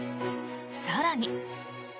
更に。